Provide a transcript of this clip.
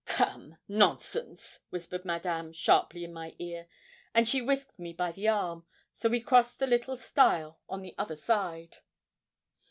'Come nonsense!' whispered Madame sharply in my ear, and she whisked me by the arm, so we crossed the little stile at the other side.